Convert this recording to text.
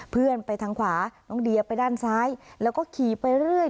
เพื่อนไปทางขวาน้องเดียไปด้านซ้ายแล้วก็ขี่ไปเรื่อย